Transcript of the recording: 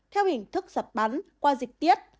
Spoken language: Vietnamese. theo hình thức sạch bắn qua dịch tiết